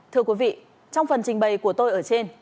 thưa quý vị trong phần trình bày của tôi ở trên